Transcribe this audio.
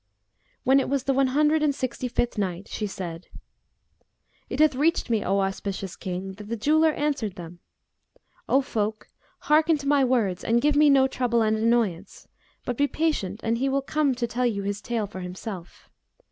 When it was the One Hundred and Sixty fifth Night, She said, It hath reached me, O auspicious King, that the jeweller answered them, "'O folk, hearken to my words and give me no trouble and annoyance! but be patient and he will come to and tell you his tale for himself.'